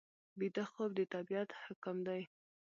ویده خوب د طبیعت حکم دی